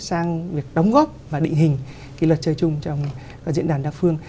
sang việc đóng góp và định hình cái luật chơi chung trong các diễn đàn đa phương